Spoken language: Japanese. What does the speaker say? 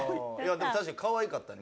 でも確かにかわいかったね。